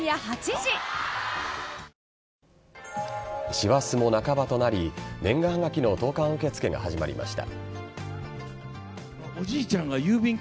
師走も半ばとなり年賀はがきの投函受け付けが始まりました。